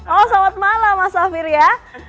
oh selamat malam mas safir ya